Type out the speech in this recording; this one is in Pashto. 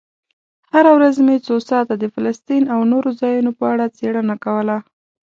هره ورځ مې څو ساعته د فلسطین او نورو ځایونو په اړه څېړنه کوله.